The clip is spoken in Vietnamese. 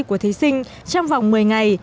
của thí sinh trong vòng một mươi ngày